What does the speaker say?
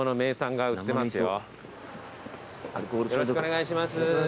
よろしくお願いします。